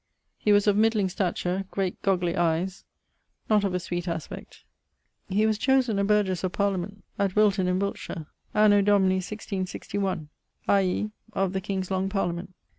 He was of midling stature, great goggli eies, not of a sweet aspect. He was chosen a burghes of Parliament at Wilton in Wiltshire, anno Domini 166<1>, i.e. of the King's long parliament.